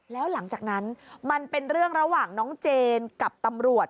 แล้วหลังจากนั้นมันเป็นเรื่องระหว่างน้องเจนกับตำรวจ